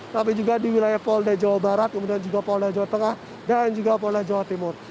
tapi juga di wilayah polda jawa barat kemudian juga polda jawa tengah dan juga polda jawa timur